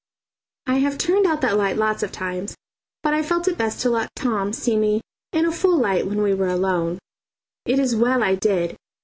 I have turned out that light lots of times, but I felt it best to let Tom see me in a full light when we were alone. It is well I did!